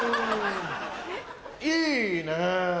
いいね！